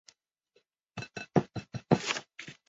大河原邦男是日本动画业界最初的专职机械设定师。